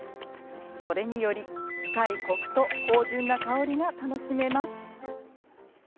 それにより、深いコクと芳じゅんな香りが楽しめるんです。